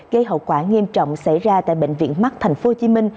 gây hậu quả nghiêm trọng xảy ra tại bệnh viện mắt tp hcm